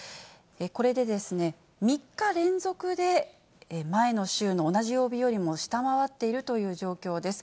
これで３日連続で前の週の同じ曜日よりも下回っているという状況です。